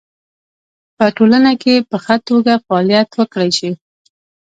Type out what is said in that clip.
په ټولنه کې په خه توګه فعالیت وکړی شي